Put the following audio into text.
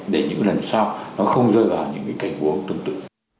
để những lần sau nó không rơi vào những cái cảnh vốn tương tự